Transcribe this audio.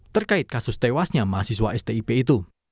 terkait kasus tewasnya mahasiswa stip itu